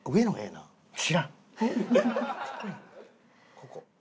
ここ。